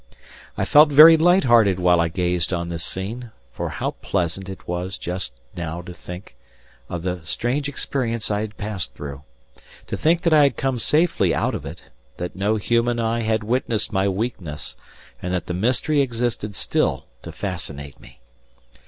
I felt very light hearted while I gazed on this scene, for how pleasant it was just now to think of the strange experience I had passed through to think that I had come safely out of it, that no human eye had witnessed my weakness, and that the mystery existed still to fascinate me!